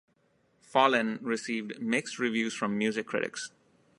"Fallen" received mixed reviews from music critics.